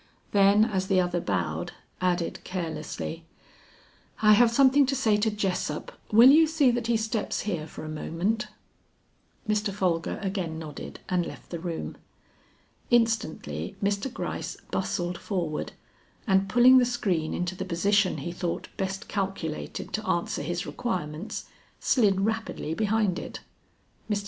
Then as the other bowed, added carelessly, "I have something to say to Jessup; will you see that he steps here for a moment?" Mr. Folger again nodded and left the room. Instantly Mr. Gryce bustled forward, and pulling the screen into the position he thought best calculated to answer his requirements, slid rapidly behind it. Mr.